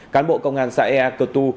cán bộ công an xã ea cơ tu